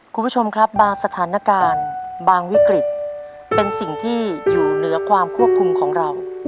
คุณผู้ชมครับบางสถานการณ์บางวิกฤตเป็นสิ่งที่อยู่เหนือความควบคุมของเรา